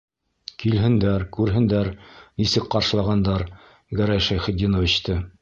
Килһендәр, күрһендәр нисек ҡаршылағандар Гәрәй Шәйхетди-новичты!